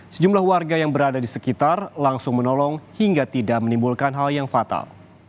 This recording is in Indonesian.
sejumlah warga yang berada di sekitar langsung menolong hingga tidak menimbulkan hal yang fatal